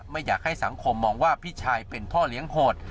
ไม่อยากให้สังคมมองว่าพี่ชายเป็นพ่อเลี้ยงโหด